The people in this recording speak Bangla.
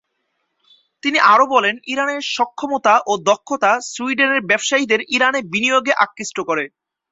তিনি আরও বলেন ইরানের সক্ষমতা ও দক্ষতা, সুইডেনের ব্যবসায়ীদের ইরানে বিনিয়োগে আকৃষ্ট করে।